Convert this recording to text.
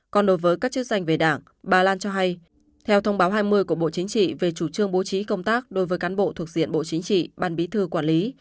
còn đối với các chức danh về đảng bà lan cho hay theo thông báo hai mươi của bộ chính trị về chủ trương bố trí công tác đối với cán bộ thuộc diện bộ chính trị ban bí thư quản lý